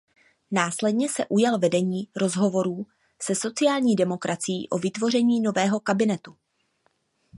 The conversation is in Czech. Následně se ujal vedení rozhovorů se Sociální demokracií o vytvoření nového kabinetu.